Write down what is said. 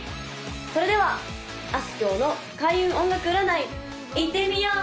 それではあすきょうの開運音楽占いいってみよう！